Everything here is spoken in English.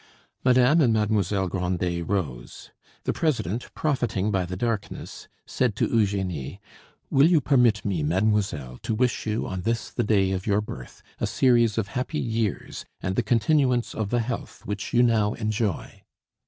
Madame and Mademoiselle Grandet rose. The president, profiting by the darkness, said to Eugenie: "Will you permit me, mademoiselle, to wish you, on this the day of your birth, a series of happy years and the continuance of the health which you now enjoy?"